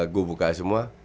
gue buka semua